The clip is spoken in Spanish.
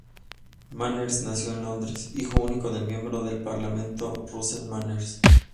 Manners nació en Londres, hijo único del miembro del parlamento Russell Manners.